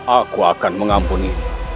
aku akan mengampuni